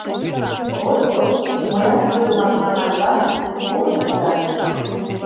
— Вот, вот, мыят тудымак манам-ла — огыт пытаре.